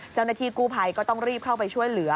เจ้าหน้าที่กู้ภัยก็ต้องรีบเข้าไปช่วยเหลือ